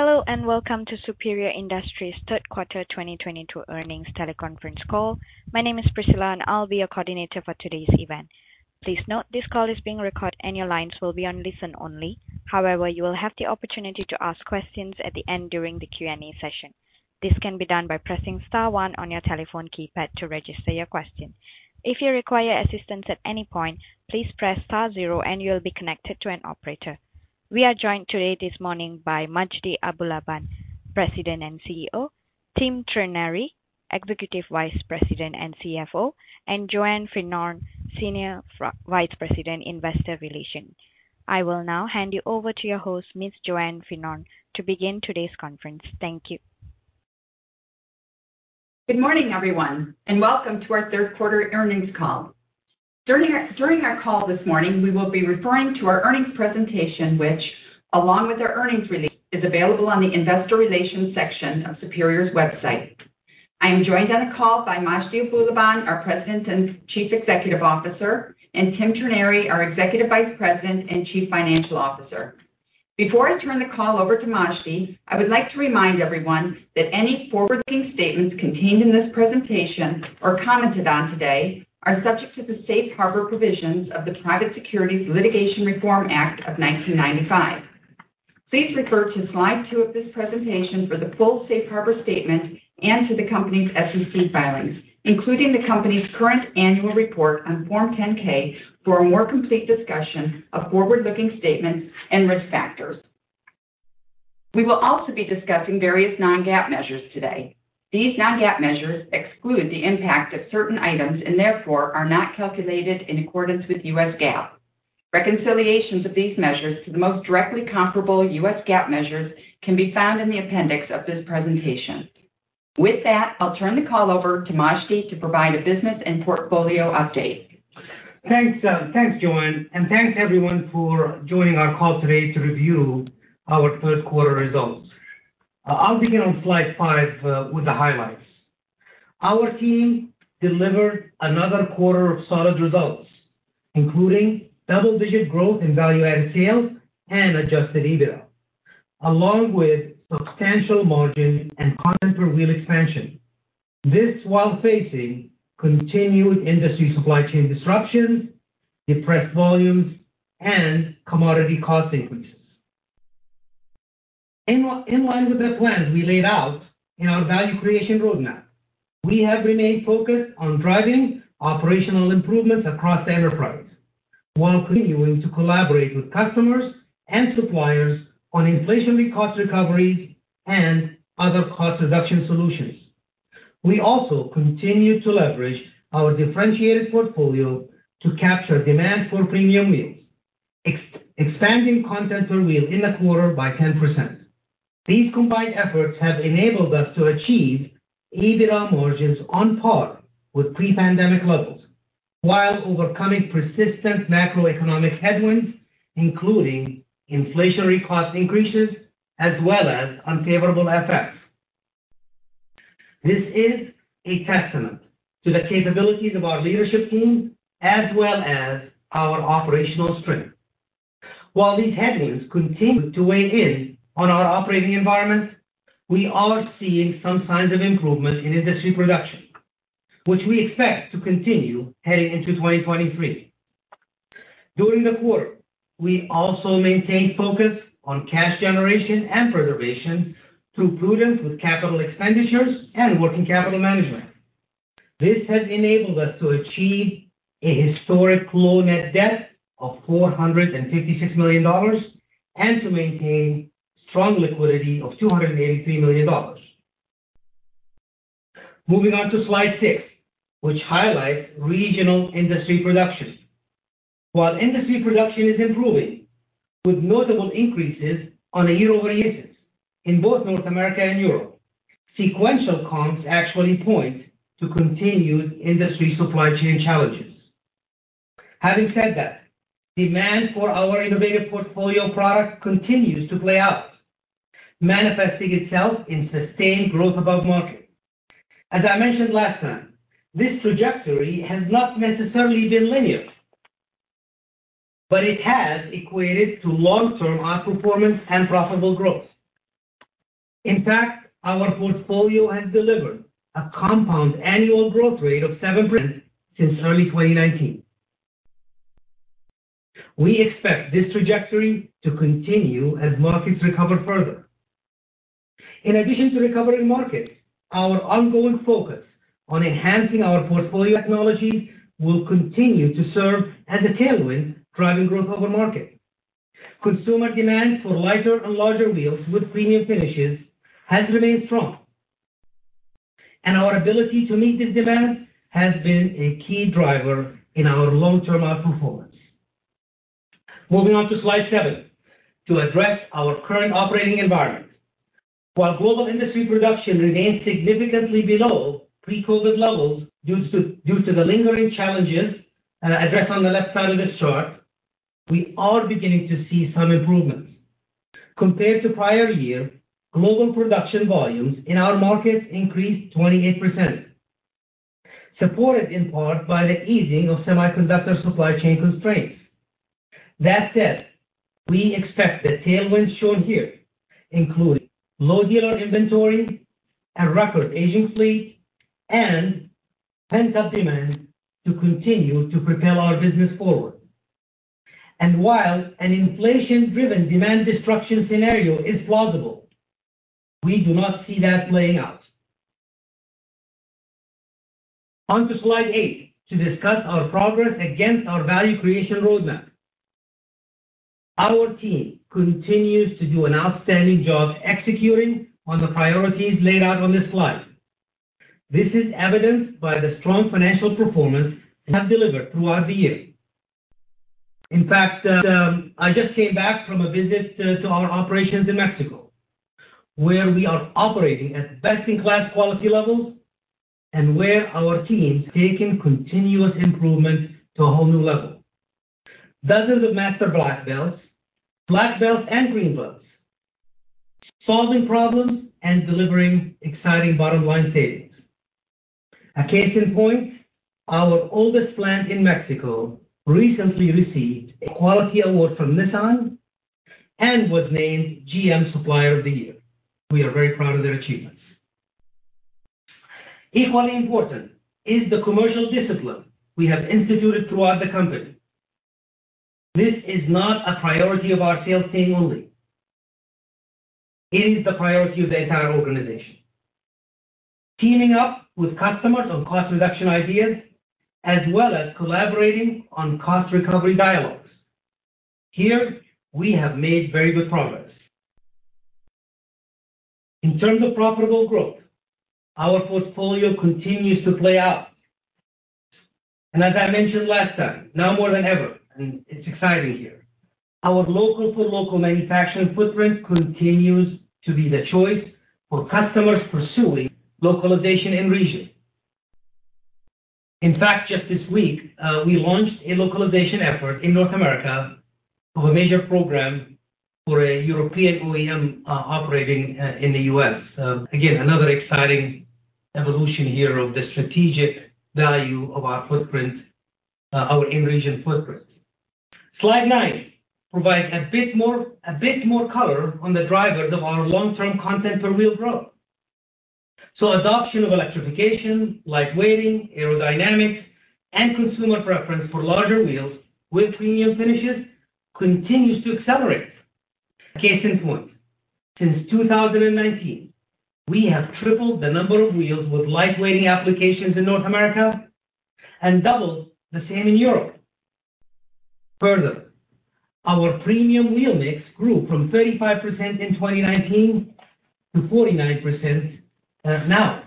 Hello, and Welcome to Superior Industries Q3 2022 Earnings Teleconference Call. My name is Priscilla, and I'll be your coordinator for today's event. Please note, this call is being recorded, and your lines will be on listen-only. However, you will have the opportunity to ask questions at the end during the Q&A session. This can be done by pressing star one on your telephone keypad to register your question. If you require assistance at any point, please press star zero, and you'll be connected to an operator. We are joined today this morning by Majdi Abulaban, President and CEO, Tim Trenary, Executive Vice President and CFO, and Joanne Finnorn, Senior Vice President, Investor Relations. I will now hand you over to your host, Ms. Joanne Finnorn, to begin today's conference. Thank you. Good morning, everyone, and welcome to our Q3 earnings call. During our call this morning, we will be referring to our earnings presentation, which along with our earnings release, is available on the investor relations section of Superior's website. I am joined on the call by Majdi Abulaban, our President and Chief Executive Officer, and Tim Trenary, our Executive Vice President and Chief Financial Officer. Before I turn the call over to Majdi, I would like to remind everyone that any forward-looking statements contained in this presentation or commented on today are subject to the safe harbor provisions of the Private Securities Litigation Reform Act of 1995. Please refer to Slide 2 of this presentation for the full safe harbor statement and to the company's SEC filings, including the company's current annual report on Form 10-K for a more complete discussion of forward-looking statements and risk factors. We will also be discussing various non-GAAP measures today. These non-GAAP measures exclude the impact of certain items and therefore are not calculated in accordance with U.S. GAAP. Reconciliations of these measures to the most directly comparable U.S. GAAP measures can be found in the appendix of this presentation. With that, I'll turn the call over to Majdi to provide a business and portfolio update. Thanks, Joanne, and thanks everyone for joining our call today to review our Q3 results. I'll begin on Slide 5 with the highlights. Our team delivered another quarter of solid results, including double-digit growth in value-added sales and Adjusted EBITDA, along with substantial margin and content per wheel expansion. This while facing continued industry supply chain disruptions, depressed volumes, and commodity cost increases. In line with the plans we laid out in our value creation roadmap, we have remained focused on driving operational improvements across the enterprise while continuing to collaborate with customers and suppliers on inflationary cost recoveries and other cost reduction solutions. We also continue to leverage our differentiated portfolio to capture demand for premium wheels, expanding content per wheel in the quarter by 10%. These combined efforts have enabled us to achieve EBITDA margins on par with pre-pandemic levels while overcoming persistent macroeconomic headwinds, including inflationary cost increases as well as unfavorable FX. This is a testament to the capabilities of our leadership team as well as our operational strength. While these headwinds continue to weigh in on our operating environment, we are seeing some signs of improvement in industry production, which we expect to continue heading into 2023. During the quarter, we also maintained focus on cash generation and preservation through prudence with capital expenditures and working capital management. This has enabled us to achieve a historic low net debt of $456 million and to maintain strong liquidity of $283 million. Moving on to Slide 6, which highlights regional industry production. While industry production is improving with notable increases on a year-over-year basis in both North America and Europe, sequential comps actually point to continued industry supply chain challenges. Having said that, demand for our innovative portfolio of products continues to play out, manifesting itself in sustained growth above market. As I mentioned last time, this trajectory has not necessarily been linear, but it has equated to long-term outperformance and profitable growth. In fact, our portfolio has delivered a compound annual growth rate of 7% since early 2019. We expect this trajectory to continue as markets recover further. In addition to recovering markets, our ongoing focus on enhancing our portfolio technologies will continue to serve as a tailwind, driving growth over market. Consumer demand for lighter and larger wheels with premium finishes has remained strong, and our ability to meet this demand has been a key driver in our long-term outperformance. Moving on to Slide 7 to address our current operating environment. While global industry production remains significantly below pre-COVID levels due to the lingering challenges addressed on the left side of this chart, we are beginning to see some improvements. Compared to prior year, global production volumes in our markets increased 28%. Supported in part by the easing of semiconductor supply chain constraints. That said, we expect the tailwinds shown here, including low dealer inventories, a record aging fleet, and pent-up demand to continue to propel our business forward. While an inflation-driven demand destruction scenario is plausible, we do not see that playing out. On to Slide 8 to discuss our progress against our value creation roadmap. Our team continues to do an outstanding job executing on the priorities laid out on this slide. This is evidenced by the strong financial performance we have delivered throughout the year. In fact, I just came back from a visit to our operations in Mexico, where we are operating at best-in-class quality levels and where our team's taking continuous improvement to a whole new level. Dozens of Master Black Belts, Black Belts, and Green Belts, solving problems and delivering exciting bottom-line savings. A case in point, our oldest plant in Mexico recently received a quality award from Nissan and was named GM Supplier of the Year. We are very proud of their achievements. Equally important is the commercial discipline we have instituted throughout the company. This is not a priority of our sales team only. It is the priority of the entire organization. Teaming up with customers on cost reduction ideas, as well as collaborating on cost recovery dialogues. Here we have made very good progress. In terms of profitable growth, our portfolio continues to play out. As I mentioned last time, now more than ever, and it's exciting here, our local-for-local manufacturing footprint continues to be the choice for customers pursuing localization in region. In fact, just this week, we launched a localization effort in North America of a major program for a European OEM operating in the U.S. Again, another exciting evolution here of the strategic value of our footprint, our in-region footprint. Slide 9 provides a bit more color on the drivers of our long-term content per wheel growth. Adoption of electrification, lightweighting, aerodynamics, and consumer preference for larger wheels with premium finishes continues to accelerate. A case in point, since 2019, we have tripled the number of wheels with lightweighting applications in North America and doubled the same in Europe. Further, our premium wheel mix grew from 35% in 2019 to 49%, now.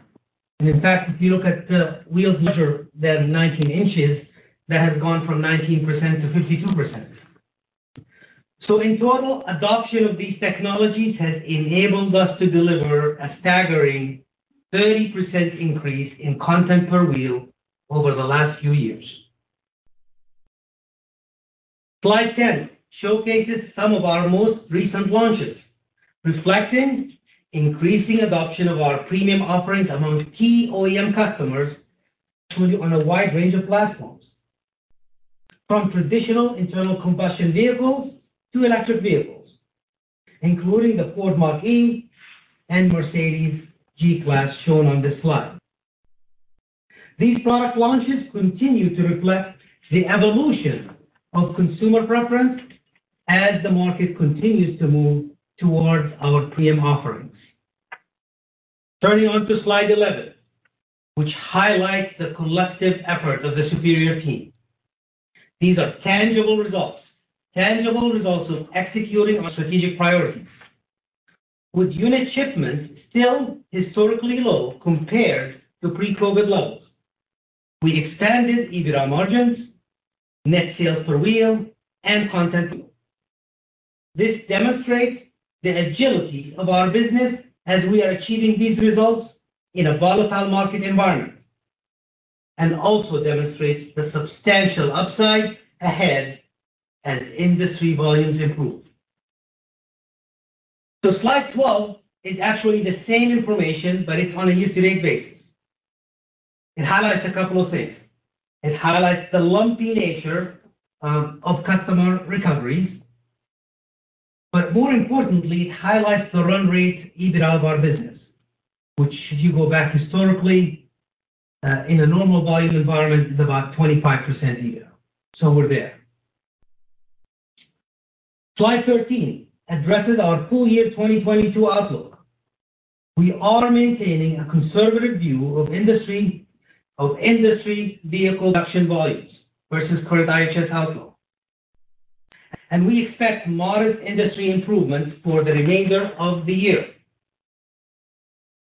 In fact, if you look at wheels larger than 19 inches, that has gone from 19% to 52%. In total, adoption of these technologies has enabled us to deliver a staggering 30% increase in content per wheel over the last few years. Slide 10 showcases some of our most recent launches, reflecting increasing adoption of our premium offerings among key OEM customers on a wide range of platforms, from traditional internal combustion vehicles to electric vehicles, including the Ford Mustang Mach-E and Mercedes-Benz G-Class shown on this slide. These product launches continue to reflect the evolution of consumer preference as the market continues to move towards our premium offerings. Turning on to Slide 11, which highlights the collective effort of the Superior team. These are tangible results of executing our strategic priorities. With unit shipments still historically low compared to pre-COVID levels, we expanded EBITDA margins, net sales per wheel, and content. This demonstrates the agility of our business as we are achieving these results in a volatile market environment, and also demonstrates the substantial upside ahead as industry volumes improve. Slide 12 is actually the same information, but it's on a year-to-date basis. It highlights a couple of things. It highlights the lumpy nature of customer recoveries, but more importantly, it highlights the run rate EBITDA of our business, which if you go back historically, in a normal volume environment, is about 25% EBITDA. We're there. Slide 13 addresses our full year 2022 outlook. We are maintaining a conservative view of industry vehicle production volumes versus current IHS outlook. We expect modest industry improvements for the remainder of the year.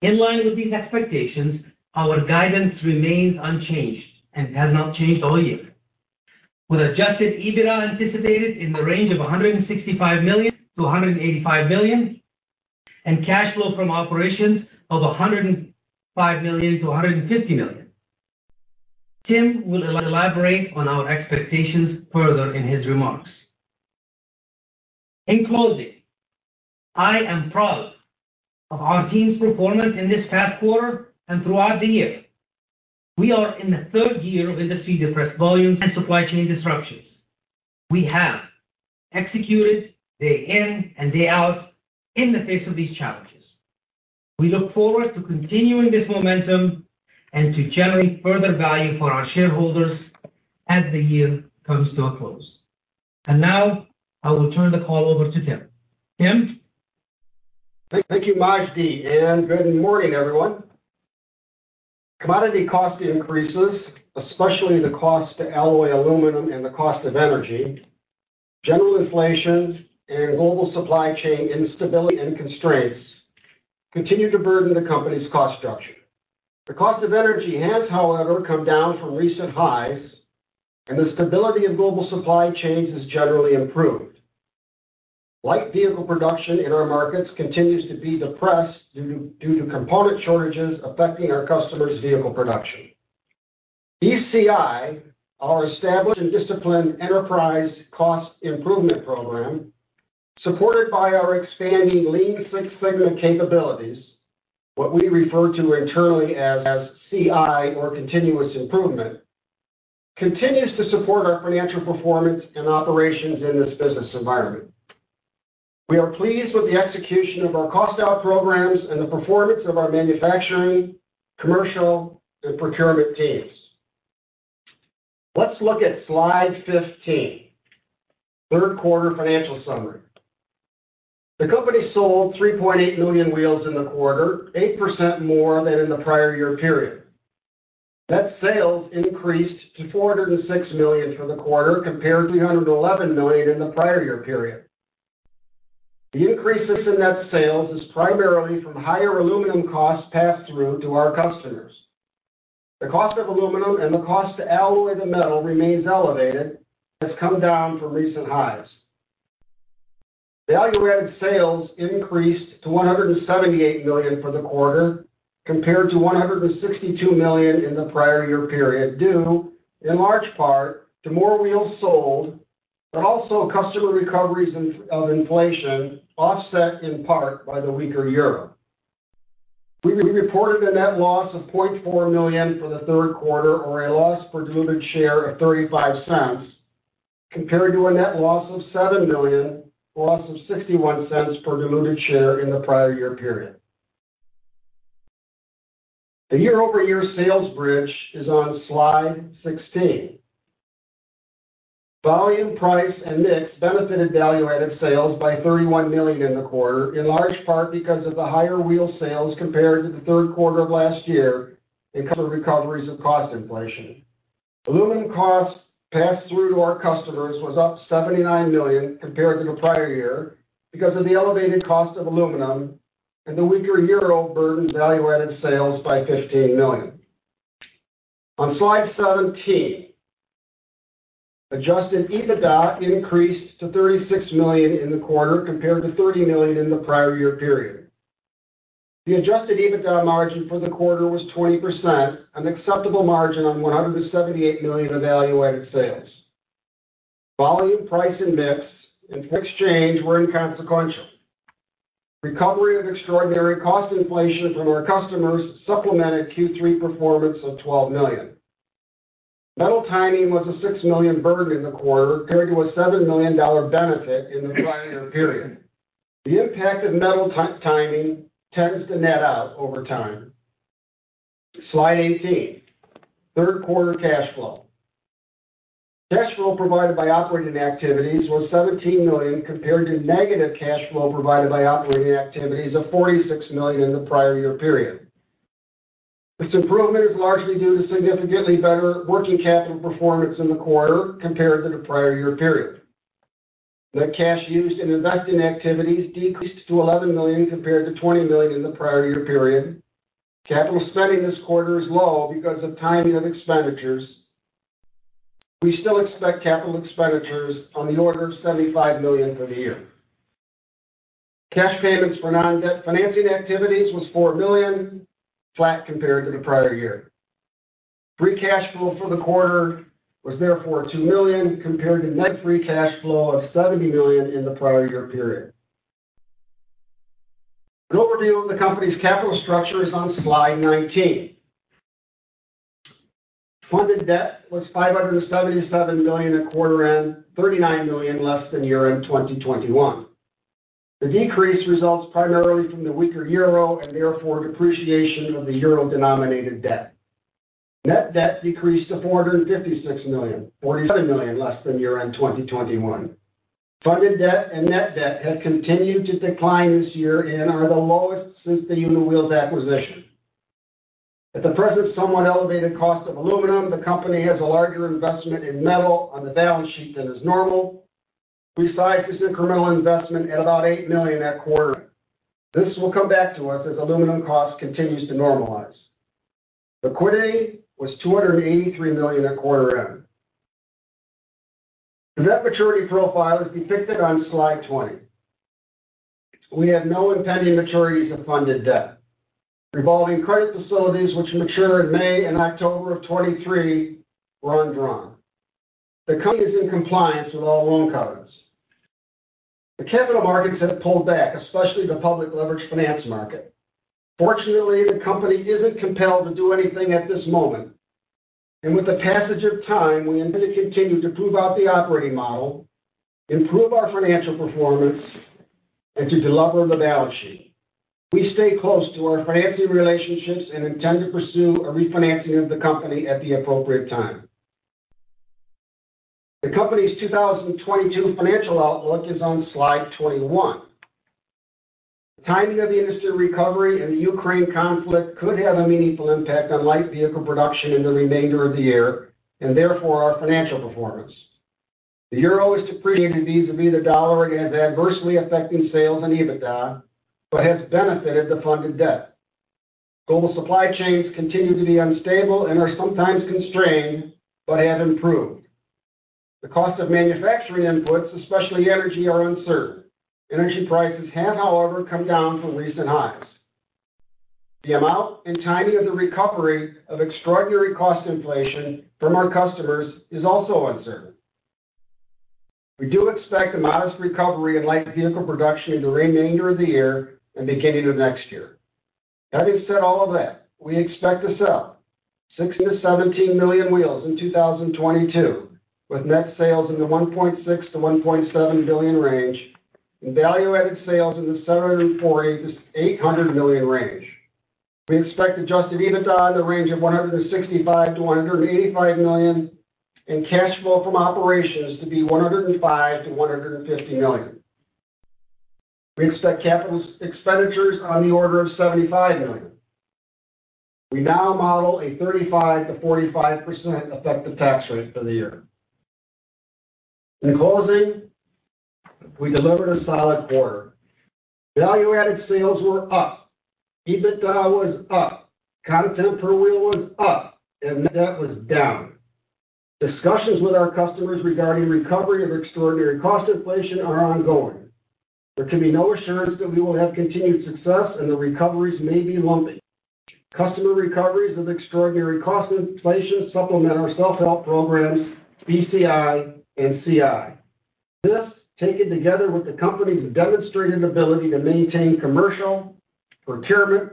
In line with these expectations, our guidance remains unchanged and has not changed all year, with Adjusted EBITDA anticipated in the range of $165 million-$185 million, and cash flow from operations of $105 million-$150 million. Tim will elaborate on our expectations further in his remarks. In closing, I am proud of our team's performance in this past quarter and throughout the year. We are in the third year of industry depressed volumes and supply chain disruptions. We have executed day in and day out in the face of these challenges. We look forward to continuing this momentum and to generate further value for our shareholders as the year comes to a close. Now I will turn the call over to Tim. Tim? Thank you, Majdi, and good morning, everyone. Commodity cost increases, especially the cost to alloy aluminum and the cost of energy, general inflation and global supply chain instability and constraints continue to burden the company's cost structure. The cost of energy has, however, come down from recent highs, and the stability of global supply chains has generally improved. Light vehicle production in our markets continues to be depressed due to component shortages affecting our customers' vehicle production. ECI, our established and disciplined enterprise cost improvement program, supported by our expanding Lean Six Sigma capabilities, what we refer to internally as CI or continuous improvement, continues to support our financial performance and operations in this business environment. We are pleased with the execution of our cost out programs and the performance of our manufacturing, commercial, and procurement teams. Let's look at Slide 15, Q3 financial summary. The company sold 3.8 million wheels in the quarter, 8% more than in the prior year period. Net sales increased to $406 million for the quarter, compared to $311 million in the prior year period. The increases in net sales is primarily from higher aluminum costs passed through to our customers. The cost of aluminum and the cost to alloy the metal remains elevated, has come down from recent highs. Value-added sales increased to $178 million for the quarter, compared to $162 million in the prior year period, due in large part to more wheels sold, but also customer recoveries of inflation offset in part by the weaker euro. We reported a net loss of $0.4 million for the Q3, or a loss per diluted share of $0.35, compared to a net loss of $7 million, loss of $0.61 per diluted share in the prior year period. The year-over-year sales bridge is on Slide 16. Volume, price, and mix benefited value-added sales by $31 million in the quarter, in large part because of the higher wheel sales compared to the Q3 of last year and customer recoveries of cost inflation. Aluminum costs passed through to our customers was up $79 million compared to the prior year because of the elevated cost of aluminum and the weaker euro burdened value-added sales by $15 million. On Slide 17, Adjusted EBITDA increased to $36 million in the quarter compared to $30 million in the prior year period. The Adjusted EBITDA margin for the quarter was 20%, an acceptable margin on $178 million of value-added sales. Volume, price and mix and foreign exchange were inconsequential. Recovery of extraordinary cost inflation from our customers supplemented Q3 performance of $12 million. Metal timing was a $6 million burden in the quarter compared to a $7 million benefit in the prior year period. The impact of metal timing tends to net out over time. Slide 18, Q3 cash flow. Cash flow provided by operating activities was $17 million, compared to negative cash flow provided by operating activities of -$46 million in the prior year period. This improvement is largely due to significantly better working capital performance in the quarter compared to the prior year period. Net cash used in investing activities decreased to $11 million compared to $20 million in the prior year period. Capital spending this quarter is low because of timing of expenditures. We still expect capital expenditures on the order of $75 million for the year. Cash payments for non-debt financing activities was $4 million, flat compared to the prior year. Free cash flow for the quarter was therefore $2 million, compared to net free cash flow of $70 million in the prior year period. An overview of the company's capital structure is on Slide 19. Funded debt was $577 million at quarter end, $39 million less than year-end 2021. The decrease results primarily from the weaker euro and therefore depreciation of the euro-denominated debt. Net debt decreased to $456 million, $47 million less than year-end 2021. Funded debt and net debt have continued to decline this year and are the lowest since the Uniwheels acquisition. At the present somewhat elevated cost of aluminum, the company has a larger investment in metal on the balance sheet than is normal. We size this incremental investment at about $8 million at quarter end. This will come back to us as aluminum cost continues to normalize. Liquidity was $283 million at quarter end. The net maturity profile is depicted on Slide 20. We have no impending maturities of funded debt. Revolving credit facilities which mature in May and October of 2023 were undrawn. The company is in compliance with all loan covenants. The capital markets have pulled back, especially the public leverage finance market. Fortunately, the company isn't compelled to do anything at this moment. With the passage of time, we intend to continue to prove out the operating model, improve our financial performance, and to delever the balance sheet. We stay close to our financing relationships and intend to pursue a refinancing of the company at the appropriate time. The company's 2022 financial outlook is on Slide 21. The timing of the industry recovery and the Ukraine conflict could have a meaningful impact on light vehicle production in the remainder of the year, and therefore our financial performance. The euro is depreciated vis-à-vis the dollar and is adversely affecting sales and EBITDA, but has benefited the funded debt. Global supply chains continue to be unstable and are sometimes constrained, but have improved. The cost of manufacturing inputs, especially energy, are uncertain. Energy prices have, however, come down from recent highs. The amount and timing of the recovery of extraordinary cost inflation from our customers is also uncertain. We do expect a modest recovery in light vehicle production in the remainder of the year and beginning of next year. Having said all of that, we expect to sell 16 million-17 million wheels in 2022, with net sales in the $1.6 billion-$1.7 billion range, and value-added sales in the $748 million-$800 million range. We expect Adjusted EBITDA in the range of $165 million-$185 million, and cash flow from operations to be $105 million-$150 million. We expect capital expenditures on the order of $75 million. We now model a 35%-45% effective tax rate for the year. In closing, we delivered a solid quarter. Value-added sales were up, EBITDA was up, content per wheel was up, and net debt was down. Discussions with our customers regarding recovery of extraordinary cost inflation are ongoing. There can be no assurance that we will have continued success, and the recoveries may be lumpy. Customer recoveries of extraordinary cost inflation supplement our self-help programs, ECI and CI. This, taken together with the company's demonstrated ability to maintain commercial, procurement,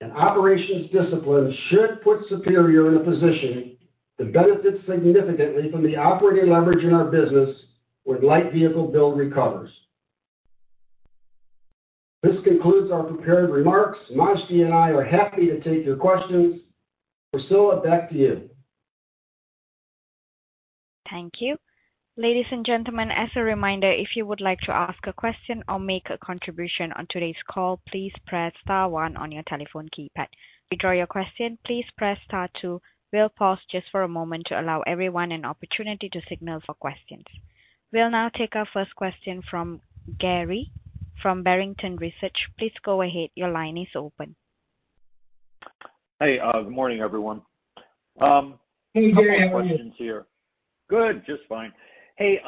and operations discipline should put Superior in a position to benefit significantly from the operating leverage in our business when light vehicle build recovers. This concludes our prepared remarks. Majdi and I are happy to take your questions. Priscilla, back to you. Thank you. Ladies and gentlemen, as a reminder, if you would like to ask a question or make a contribution on today's call, please press star one on your telephone keypad. To withdraw your question, please press star two. We'll pause just for a moment to allow everyone an opportunity to signal for questions. We'll now take our first question from Gary Prestopino from Barrington Research. Please go ahead. Your line is open. Hey, good morning, everyone. Hey, Gary. How are you? A couple of questions here. Good, just fine. Hey,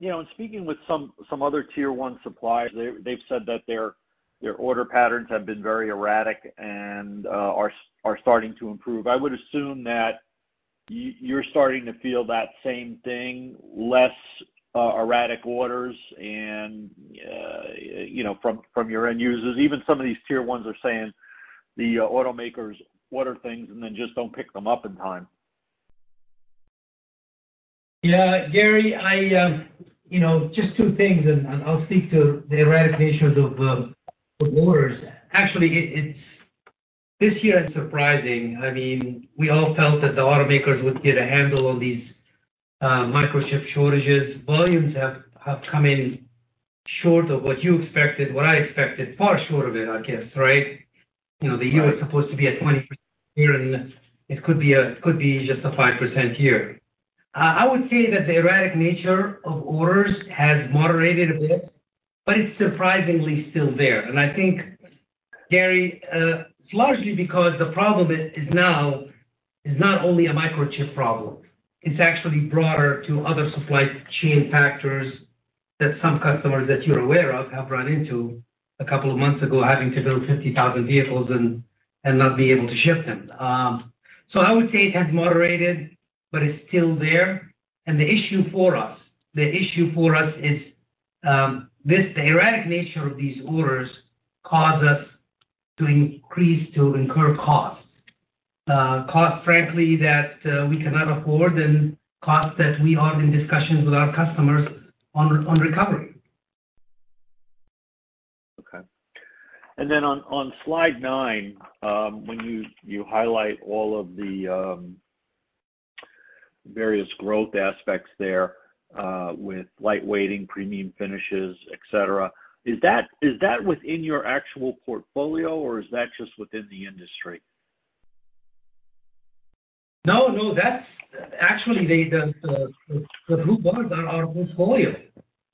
you know, in speaking with some other tier one suppliers, they've said that their order patterns have been very erratic and are starting to improve. I would assume that you're starting to feel that same thing, less erratic orders and, you know, from your end users. Even some of these tier ones are saying the automakers order things and then just don't pick them up in time. Yeah. Gary, you know, just two things, and I'll speak to the erratic issues of orders. Actually, this year is surprising. I mean, we all felt that the automakers would get a handle on these microchip shortages. Volumes have come in short of what you expected, what I expected. Far short of it, I guess, right? You know, the year was supposed to be a 20% year, and it could be just a 5% year. I would say that the erratic nature of orders has moderated a bit, but it's surprisingly still there. I think, Gary, it's largely because the problem is now not only a microchip problem. It's actually broader to other supply chain factors that some customers that you're aware of have run into a couple of months ago, having to build 50,000 vehicles and not being able to ship them. I would say it has moderated, but it's still there. The issue for us is this, the erratic nature of these orders cause us to increase, to incur costs. Costs, frankly, that we cannot afford and costs that we are in discussions with our customers on recovery. Okay. On Slide 9, when you highlight all of the various growth aspects there, with lightweighting, premium finishes, et cetera, is that within your actual portfolio or is that just within the industry? No. Actually, the blue bars are our portfolio.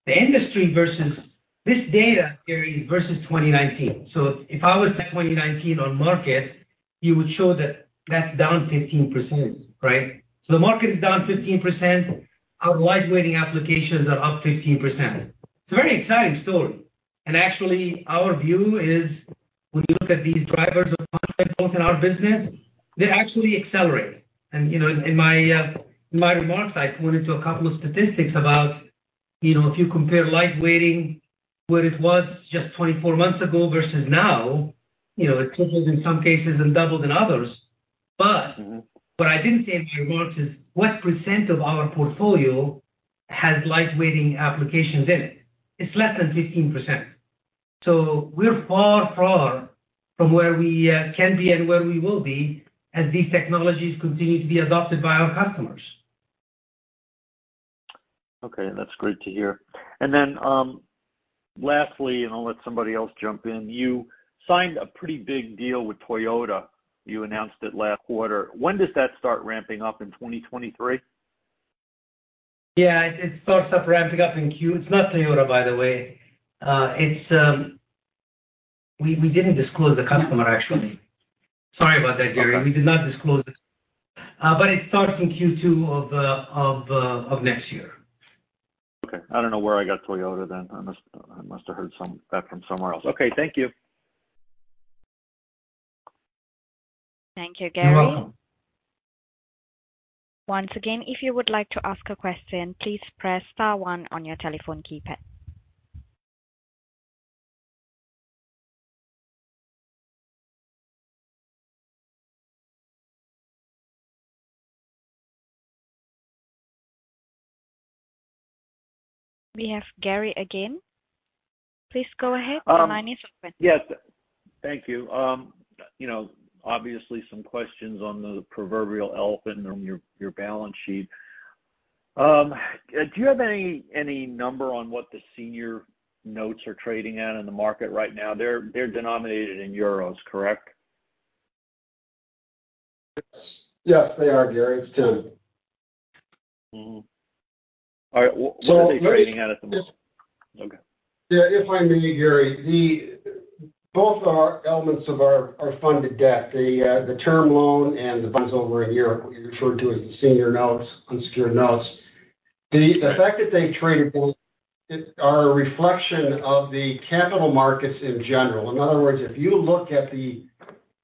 The industry versus this data, Gary, versus 2019. So if I was at 2019 you would show that that's down 15%, right? So the market is down 15%. Our lightweighting applications are up 15%. It's a very exciting story. Actually, our view is when you look at these drivers of content both in our business, they actually accelerate. You know, in my remarks, I pointed to a couple of statistics about, you know, if you compare lightweighting, where it was just 24 months ago versus now, you know, it triples in some cases and doubles in others. But What I didn't say in my remarks is what percent of our portfolio has lightweighting applications in it. It's less than 15%. We're far, far from where we can be and where we will be as these technologies continue to be adopted by our customers. Okay, that's great to hear. Then, lastly, and I'll let somebody else jump in. You signed a pretty big deal with Toyota. You announced it last quarter. When does that start ramping up? In 2023? Yeah. It starts ramping up. It's not Toyota, by the way. We didn't disclose the customer, actually. Sorry about that, Gary. We did not disclose it. It starts in Q2 of next year. Okay. I don't know where I got Toyota then. I must have heard that from somewhere else. Okay. Thank you. Thank you, Gary. You're welcome. Once again, if you would like to ask a question, please press star one on your telephone keypad. We have Gary again. Please go ahead. Your line is open. Yes. Thank you. You know, obviously some questions on the proverbial elephant on your balance sheet. Do you have any number on what the senior notes are trading at in the market right now? They're denominated in euros, correct? Yes, they are, Gary. It's Tim. All right. So they What are they trading at the moment? Okay. If I may, Gary, both are elements of our funded debt, the term loan and the funds over a year, what you refer to as the senior notes, unsecured notes. The fact that they trade below par is a reflection of the capital markets in general. In other words, if you look at the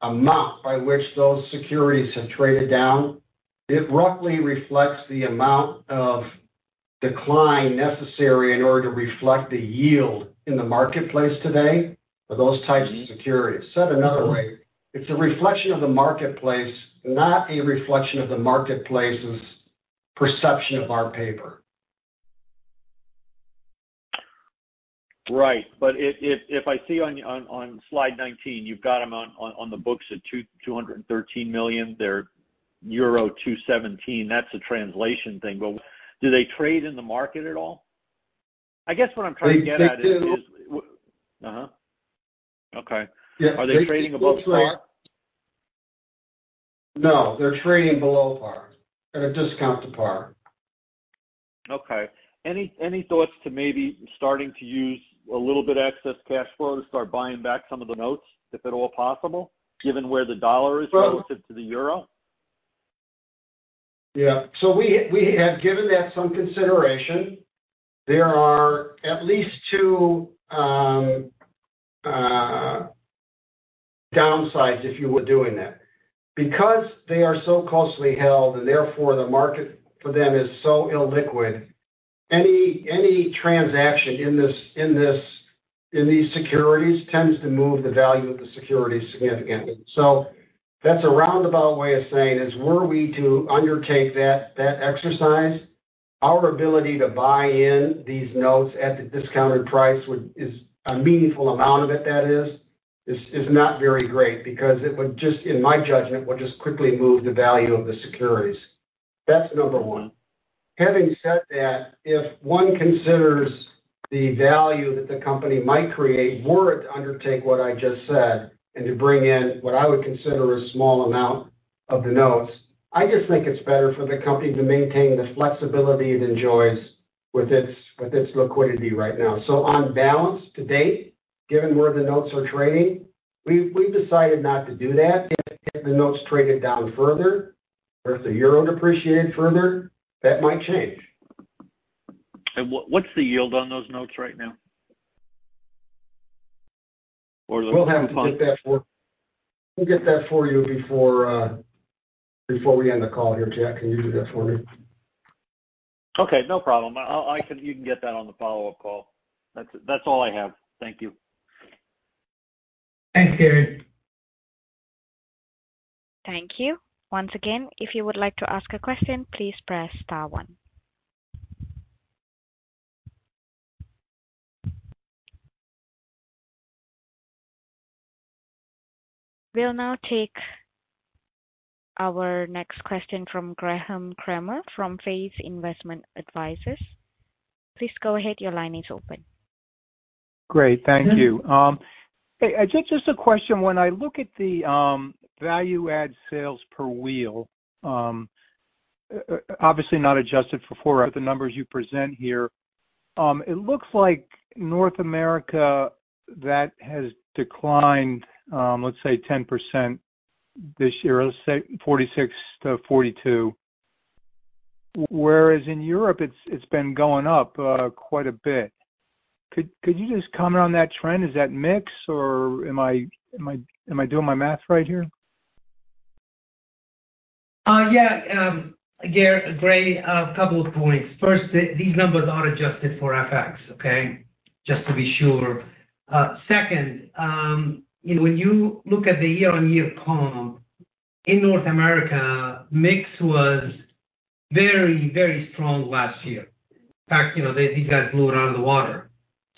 amount by which those securities have traded down, it roughly reflects the amount of decline necessary in order to reflect the yield in the marketplace today for those types of securities. Said another way, it's a reflection of the marketplace, not a reflection of the marketplace's perception of our paper. Right. If I see on Slide 19, you've got them on the books at $213 million, they're euro 217 million. That's a translation thing. Do they trade in the market at all? I guess what I'm trying to get at is They do. Okay. Yeah. Are they trading above par? No, they're trading below par. At a discount to par. Okay. Any thoughts to maybe starting to use a little bit of excess cash flow to start buying back some of the notes, if at all possible, given where the dollar is relative to the euro? Yeah. We have given that some consideration. There are at least two downsides if you were doing that. Because they are so closely held and therefore the market for them is so illiquid, any transaction in these securities tends to move the value of the securities significantly. That's a roundabout way of saying, were we to undertake that exercise, our ability to buy in these notes at the discounted price is a meaningful amount of it that is not very great because it would just, in my judgment, quickly move the value of the securities. That's number one. Having said that, if one considers the value that the company might create were it to undertake what I just said and to bring in what I would consider a small amount of the notes, I just think it's better for the company to maintain the flexibility it enjoys with its liquidity right now. On balance, to date, given where the notes are trading, we've decided not to do that. If the notes traded down further or if the euro depreciated further, that might change. What's the yield on those notes right now? We'll get that for you before we end the call here. Jack, can you do that for me? Okay, no problem. You can get that on the follow-up call. That's all I have. Thank you. Thanks, Gary. Thank you. Once again, if you would like to ask a question, please press star one. We'll now take our next question from Graham Cremer from Phase Investment Advisors. Please go ahead. Your line is open. Great. Thank you. Hey, just a question. When I look at the value add sales per wheel, obviously not adjusted for the numbers you present here. It looks like North America that has declined, let's say 10% this year. Let's say 46-42. Whereas in Europe, it's been going up quite a bit. Could you just comment on that trend? Is that mix, or am I doing my math right here? Gary, Gray, a couple of points. First, these numbers are adjusted for FX, okay? Just to be sure. Second, when you look at the year-on-year column, in North America, mix was very, very strong last year. In fact, you know, these guys blew it out of the water.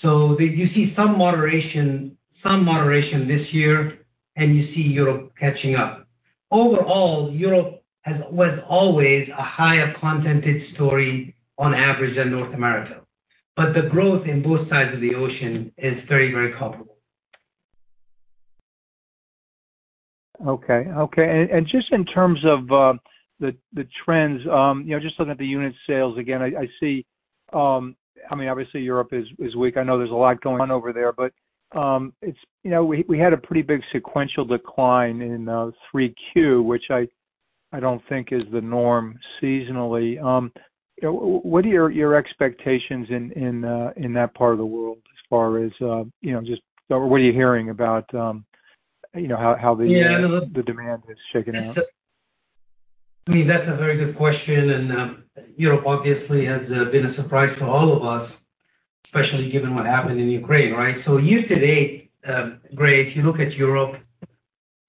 You see some moderation this year, and you see Europe catching up. Overall, Europe was always a higher content story on average than North America, but the growth in both sides of the ocean is very, very comparable. Okay, okay. Just in terms of the trends, you know, just looking at the unit sales again, I see, I mean, obviously Europe is weak. I know there's a lot going on over there, but, you know, we had a pretty big sequential decline in 3Q, which I don't think is the norm seasonally. What are your expectations in that part of the world as far as, you know, just what are you hearing about, you know, how the the demand is shaking out? I mean, that's a very good question, and Europe obviously has been a surprise to all of us, especially given what happened in Ukraine, right? Year to date, Gray, if you look at Europe,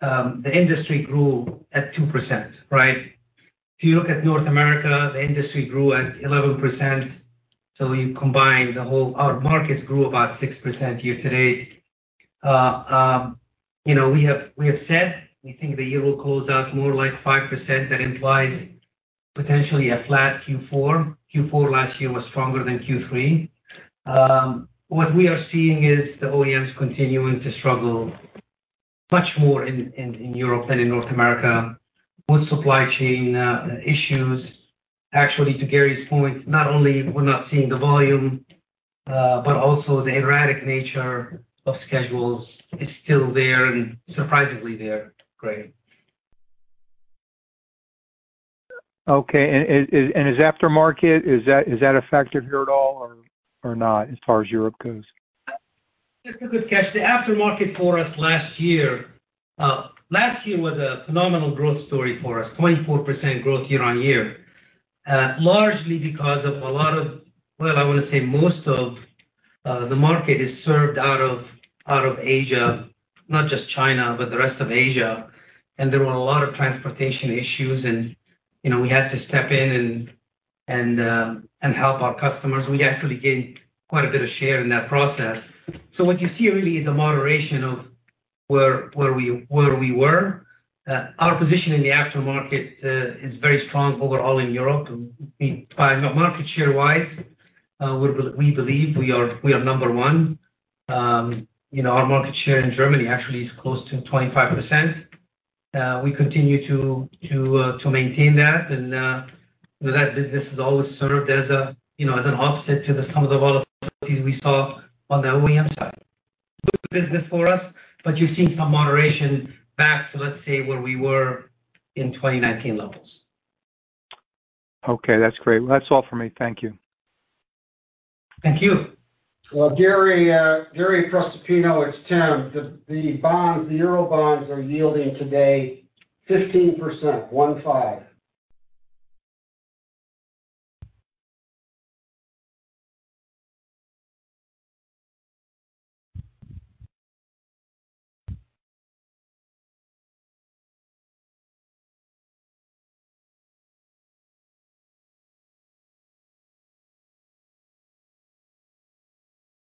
the industry grew at 2%, right? If you look at North America, the industry grew at 11%. You combine, our markets grew about 6% year to date. You know, we have said we think the year will close out more like 5%. That implies potentially a flat Q4. Q4 last year was stronger than Q3. What we are seeing is the OEMs continuing to struggle much more in Europe than in North America, with supply chain issues. Actually, to Gary's point, not only we're not seeing the volume, but also the erratic nature of schedules is still there and surprisingly there, Gray. Okay. Is aftermarket a factor here at all or not, as far as Europe goes? It's a good catch. The aftermarket for us last year. Last year was a phenomenal growth story for us, 24% growth year-on-year. Largely because of a lot of, well, I wanna say most of, the market is served out of Asia, not just China, but the rest of Asia. There were a lot of transportation issues and, you know, we had to step in and help our customers. We actually gained quite a bit of share in that process. What you see really is a moderation of where we were. Our position in the aftermarket is very strong overall in Europe. I mean, by market share-wise, we believe we are number one. You know, our market share in Germany actually is close to 25%. We continue to maintain that. That business has always served as a, you know, as an offset to some of the volatility we saw on the OEM side. Good business for us, but you're seeing some moderation back to, let's say, where we were in 2019 levels. Okay, that's great. That's all for me. Thank you. Thank you. Well, Gary Prestopino, it's Tim Trenary. The bonds, the Euro bonds are yielding today 15%, 15.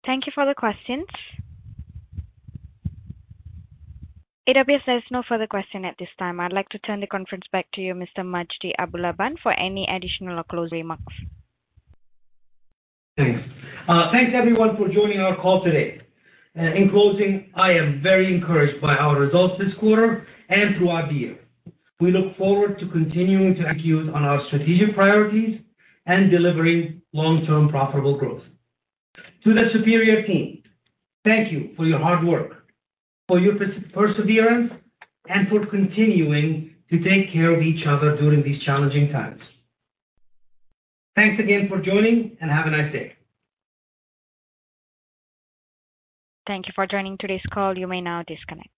Thank you for the questions. As there's no further question at this time. I'd like to turn the conference back to you, Mr. Majdi Abulaban, for any additional closing remarks. Thanks. Thanks everyone for joining our call today. In closing, I am very encouraged by our results this quarter and through our view. We look forward to continuing to execute on our strategic priorities and delivering long-term profitable growth. To the Superior team, thank you for your hard work, for your perseverance, and for continuing to take care of each other during these challenging times. Thanks again for joining, and have a nice day. Thank you for joining today's call. You may now disconnect.